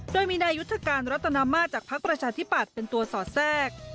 โดยมีนายุทธการรัตนามาจากพักประชาธิปัตย์เป็นตัวสอดแทรก